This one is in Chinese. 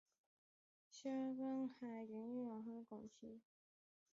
授官翰林院修撰。